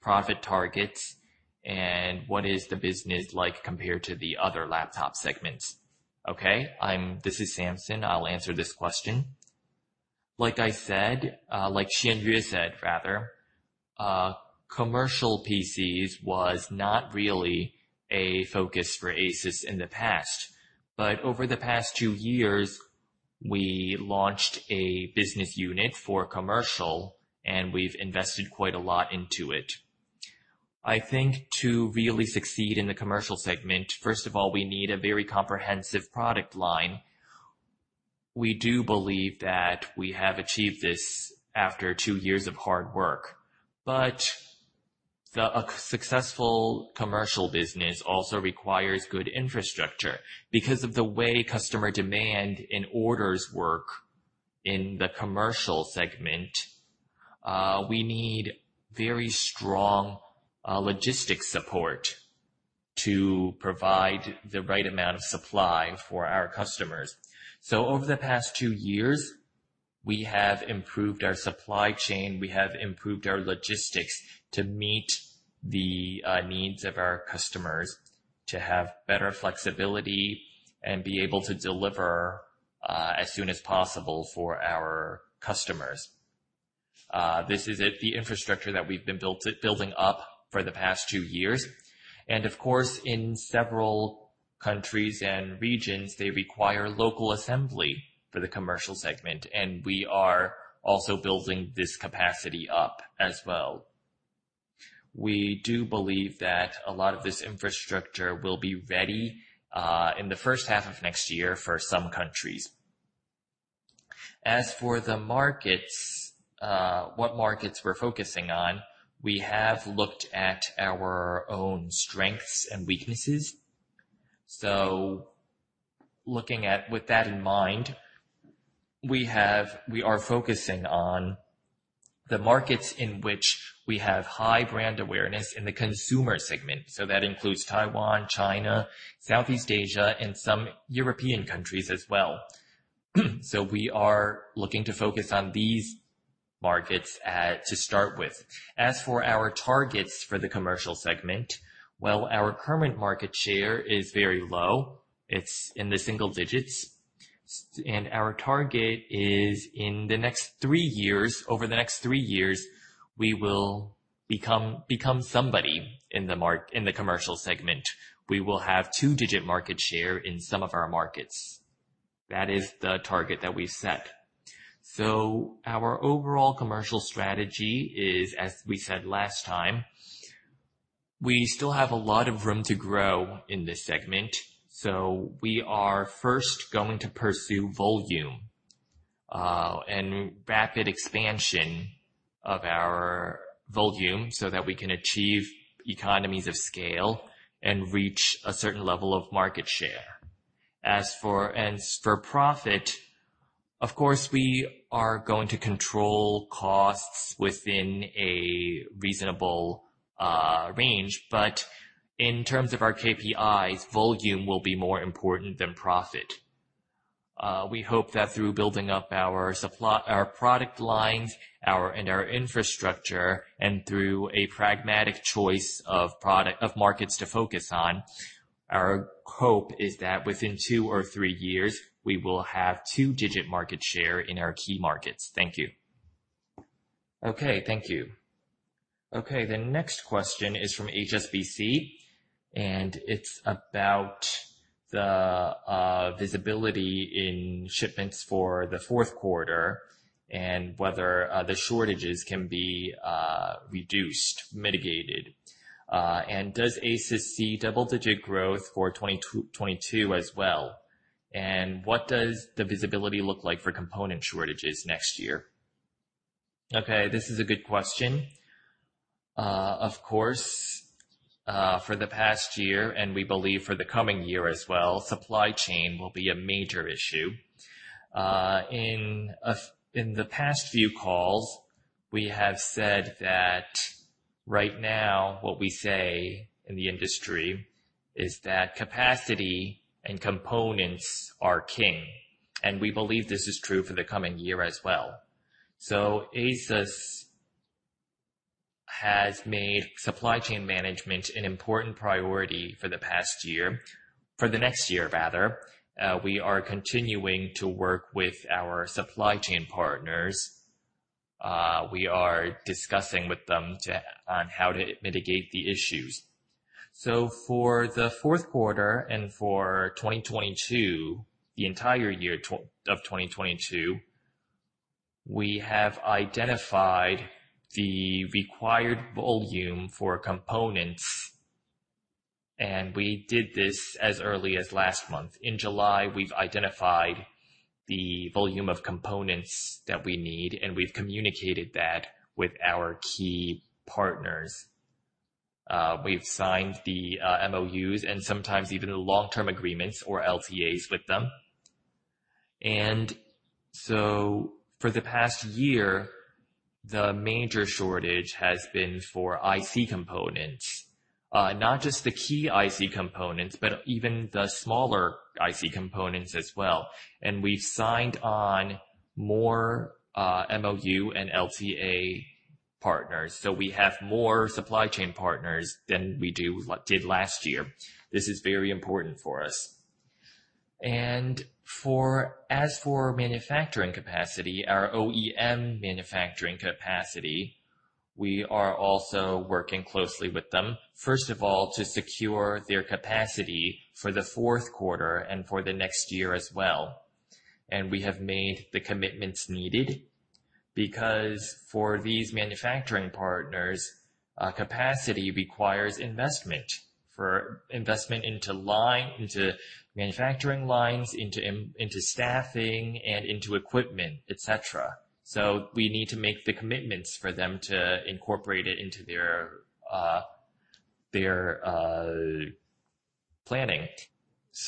profit targets, and what is the business like compared to the other laptop segments? Okay. This is Samson. I'll answer this question. Like Hsien-Yuen Hsu said, commercial PCs was not really a focus for ASUS in the past. Over the past two years, we launched a business unit for commercial, and we've invested quite a lot into it. I think to really succeed in the commercial segment, first of all, we need a very comprehensive product line. We do believe that we have achieved this after two years of hard work. A successful commercial business also requires good infrastructure. Because of the way customer demand and orders work in the commercial segment, we need very strong logistics support to provide the right amount of supply for our customers. Over the past two years, we have improved our supply chain, we have improved our logistics to meet the needs of our customers, to have better flexibility and be able to deliver as soon as possible for our customers. This is the infrastructure that we've been building up for the past two years. Of course, in several countries and regions, they require local assembly for the commercial segment, and we are also building this capacity up as well. We do believe that a lot of this infrastructure will be ready in the first half of next year for some countries. For the markets, what markets we're focusing on, we have looked at our own strengths and weaknesses. With that in mind, we are focusing on the markets in which we have high brand awareness in the consumer segment. That includes Taiwan, China, Southeast Asia, and some European countries as well. We are looking to focus on these markets to start with. As for our targets for the commercial segment, well, our current market share is very low. It's in the single digits. Our target is in the next three years, over the next three years, we will become somebody in the commercial segment. We will have two-digit market share in some of our markets. That is the target that we've set. Our overall commercial strategy is, as we said last time, we still have a lot of room to grow in this segment. We are first going to pursue volume, and rapid expansion of our volume so that we can achieve economies of scale and reach a certain level of market share. As for profit, of course, we are going to control costs within a reasonable range, but in terms of our KPIs, volume will be more important than profit. We hope that through building up our product lines and our infrastructure, and through a pragmatic choice of markets to focus on, our hope is that within two or three years, we will have two-digit market share in our key markets. Thank you. Okay. Thank you. Okay. The next question is from HSBC. It's about the visibility in shipments for the fourth quarter and whether the shortages can be reduced, mitigated. Does ASUS see double-digit growth for 2022 as well? What does the visibility look like for component shortages next year? Okay. This is a good question. Of course, for the past year, and we believe for the coming year as well, supply chain will be a major issue. In the past few calls, we have said that right now what we say in the industry is that capacity and components are king, and we believe this is true for the coming year as well. ASUS has made supply chain management an important priority for the past year. For the next year, rather, we are continuing to work with our supply chain partners. We are discussing with them on how to mitigate the issues. For the fourth quarter and for 2022, the entire year of 2022, we have identified the required volume for components, and we did this as early as last month. In July, we've identified the volume of components that we need, and we've communicated that with our key partners. We've signed the MOUs and sometimes even long-term agreements or LTAs with them. For the past year, the major shortage has been for IC components. Not just the key IC components, but even the smaller IC components as well. We've signed on more MOU and LTA partners, so we have more supply chain partners than we did last year. This is very important for us. As for manufacturing capacity, our OEM manufacturing capacity, we are also working closely with them. First of all, to secure their capacity for the fourth quarter and for the next year as well. We have made the commitments needed because for these manufacturing partners, capacity requires investment. Investment into manufacturing lines, into staffing, and into equipment, et cetera. We need to make the commitments for them to incorporate it into their planning.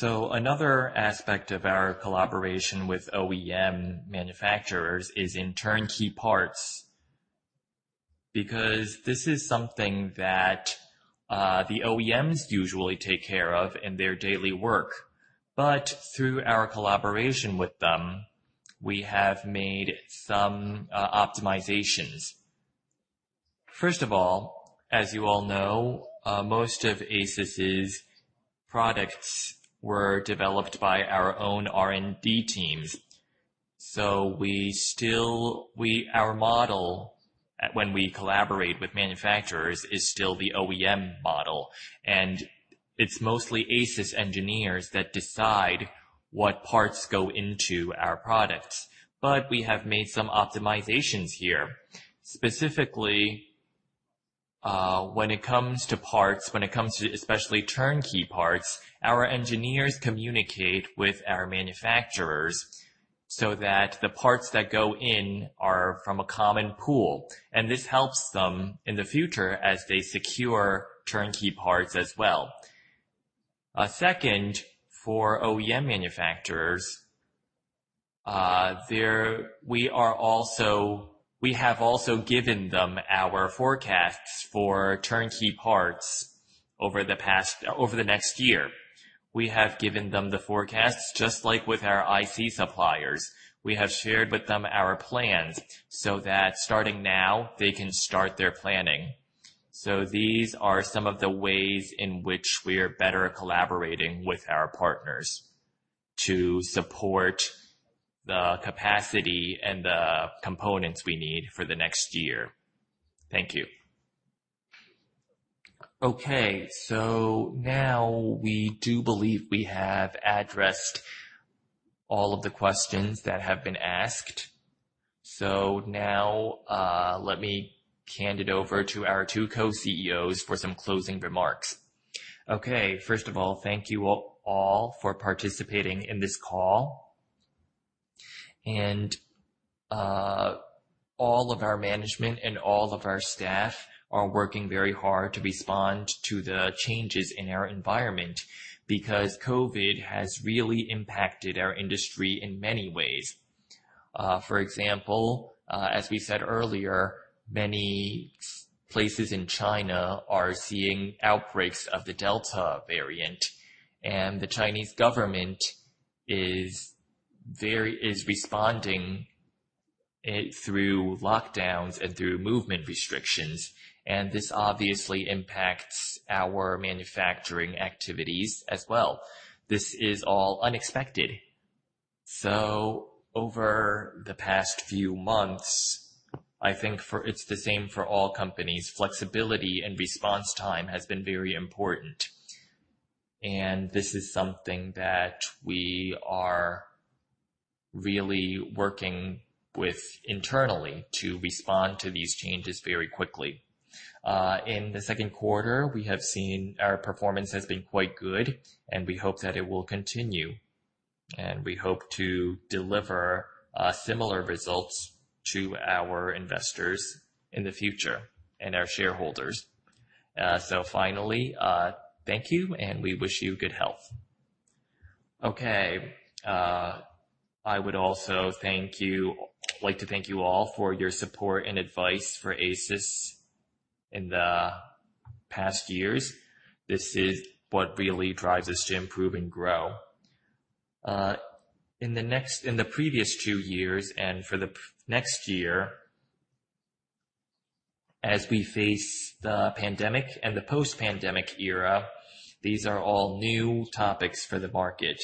Another aspect of our collaboration with OEM manufacturers is in turnkey parts. Because this is something that the OEMs usually take care of in their daily work. Through our collaboration with them, we have made some optimizations. First of all, as you all know, most of ASUS's products were developed by our own R&D teams. Our model, when we collaborate with manufacturers, is still the OEM model, and it's mostly ASUS engineers that decide what parts go into our products. We have made some optimizations here. Specifically, when it comes to parts, when it comes to especially turnkey parts, our engineers communicate with our manufacturers so that the parts that go in are from a common pool, and this helps them in the future as they secure turnkey parts as well. Second, for OEM manufacturers, we have also given them our forecasts for turnkey parts over the next year. We have given them the forecasts, just like with our IC suppliers. We have shared with them our plans so that starting now, they can start their planning. These are some of the ways in which we are better collaborating with our partners to support the capacity and the components we need for the next year. Thank you. Okay. Now we do believe we have addressed all of the questions that have been asked. Now, let me hand it over to our two co-CEOs for some closing remarks. Okay. First of all, thank you all for participating in this call. All of our management and all of our staff are working very hard to respond to the changes in our environment because COVID-19 has really impacted our industry in many ways. For example, as we said earlier, many places in China are seeing outbreaks of the Delta variant, and the Chinese government is responding through lockdowns and through movement restrictions, and this obviously impacts our manufacturing activities as well. This is all unexpected. Over the past few months, I think it's the same for all companies. Flexibility and response time has been very important, and this is something that we are really working with internally to respond to these changes very quickly. In the second quarter, we have seen our performance has been quite good, and we hope that it will continue, and we hope to deliver similar results to our investors in the future and our shareholders. Finally, thank you, and we wish you good health. Okay. I would also like to thank you all for your support and advice for ASUS in the past years. This is what really drives us to improve and grow. In the previous two years and for the next year, as we face the pandemic and the post-pandemic era, these are all new topics for the market.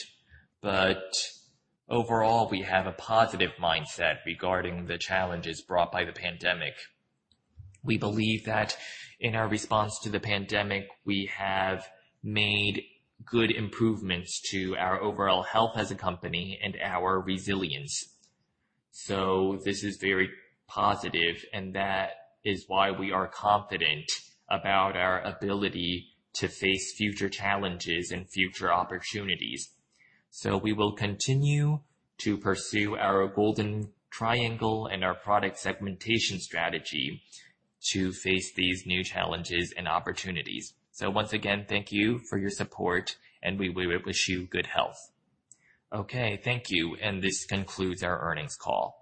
Overall, we have a positive mindset regarding the challenges brought by the pandemic. We believe that in our response to the pandemic, we have made good improvements to our overall health as a company and our resilience. This is very positive, and that is why we are confident about our ability to face future challenges and future opportunities. We will continue to pursue our golden triangle and our product segmentation strategy to face these new challenges and opportunities. Once again, thank you for your support, and we wish you good health. Okay. Thank you. This concludes our earnings call.